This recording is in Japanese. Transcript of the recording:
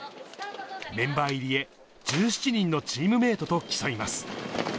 メンバー入りへ、１７人のチームメートと競います。